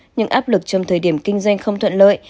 nhưng áp lực trong thời điểm kinh doanh không thuận lợi